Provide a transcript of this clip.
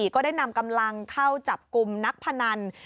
ก็ได้นำกำลังเข้าจับกลุ่มนักพนัน